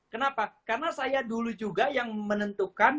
kenapa karena saya dulu juga yang menentukan